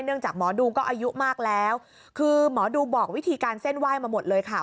จากหมอดูก็อายุมากแล้วคือหมอดูบอกวิธีการเส้นไหว้มาหมดเลยค่ะ